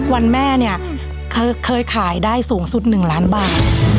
วันแม่เนี่ยเคยขายได้สูงสุด๑ล้านบาท